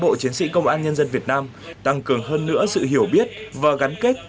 bộ chiến sĩ công an nhân dân việt nam tăng cường hơn nữa sự hiểu biết và gắn kết